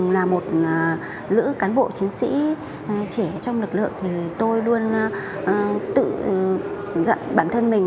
và lữ cán bộ chiến sĩ trẻ trong lực lượng thì tôi luôn tự dặn bản thân mình